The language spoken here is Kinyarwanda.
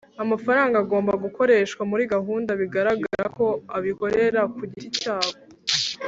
amafaranga agomba gukoreshwa muri gahunda bigaragara ko abikorera ku giti cyabo,